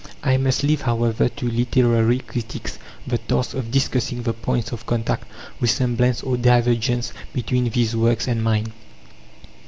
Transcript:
I must leave, however, to literary critics the task of discussing the points of contact, resemblance, or divergence between these works and mine.